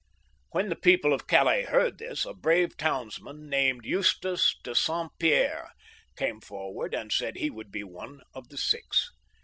When the people of Calais heard this, a brave townsman, named Eustache de St. Pierre, came forward and said he would be one of the six.